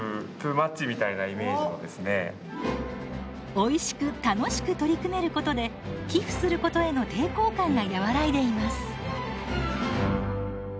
おいしく楽しく取り組めることで寄付することへの抵抗感が和らいでいます。